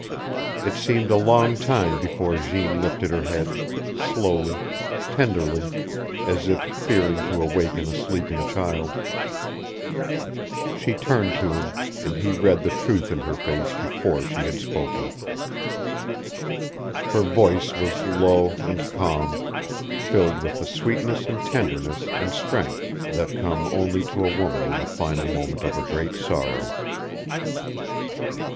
It seemed a long time before Jeanne lifted her head, slowly, tenderly, as if fearing to awaken a sleeping child. She turned to him, and he read the truth in her face before she had spoken. Her voice was low and calm, filled with the sweetness and tenderness and strength that come only to a woman in the final moment of a great sorrow.